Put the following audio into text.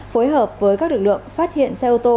phối hợp với các lực lượng phát hiện xe ô tô